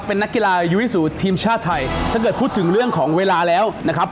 พูดถึงเรื่องของเวลาแล้วนะครับ